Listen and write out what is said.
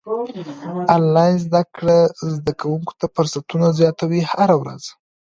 انلاين زده کړه زده کوونکو ته فرصتونه زياتوي هره ورځ.